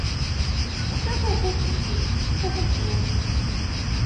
Усякая поскудзь ёсць, нічога не зробіш.